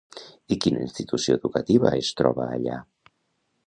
I quina institució educativa es troba allà?